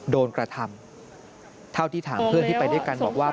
โดนกระทำเท่าที่ถามเพื่อนที่ไปด้วยกันบอกว่า